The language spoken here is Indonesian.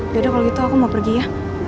ya udah kalau gitu aku mau pergi ya